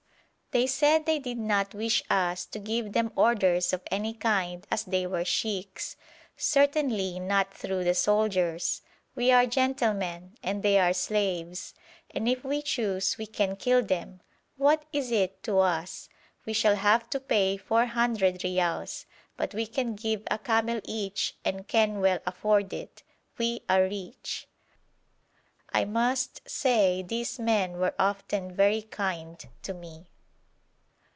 They said they did not wish us to give them orders of any kind as they were sheikhs; certainly not through the soldiers. 'We are gentlemen, and they are slaves, and if we choose we can kill them. What is it to us? We shall have to pay 400 reals, but we can give a camel each and can well afford it. We are rich.' I must say these men were often very kind to me.